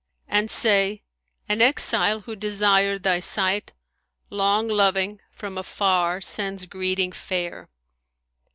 And say An exile who desired thy sight * Long loving, from afar sends greeting fair.